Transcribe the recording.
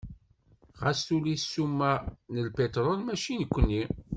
Ɣas tuli ssuma n lpitrul, mačči i nekni.